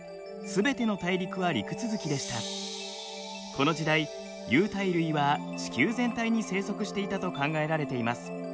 この時代有袋類は地球全体に生息していたと考えられています。